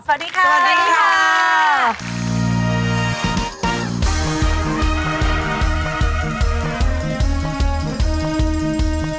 สวัสดีค่ะ